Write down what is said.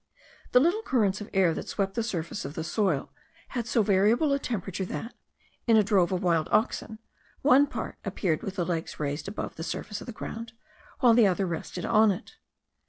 The little currents of air that swept the surface of the soil had so variable a temperature that, in a drove of wild oxen, one part appeared with the legs raised above the surface of the ground, while the other rested on it.